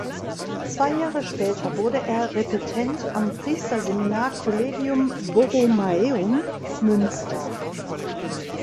Zwei Jahre später wurde er Repetent am Priesterseminar Collegium Borromaeum Münster.